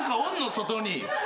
外に。